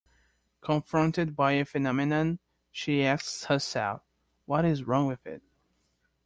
Confronted by a phenomenon, she asks herself: what is wrong with it?